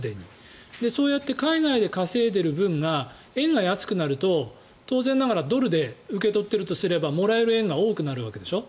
そうやって海外で稼いでいる分が円が安くなると当然ながらドルで受け取っているとすればもらえる円が多くなるわけでしょ。